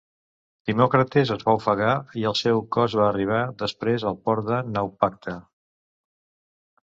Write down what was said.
Timòcrates es va ofegar i el seu cos va arribar després al port de Naupacte.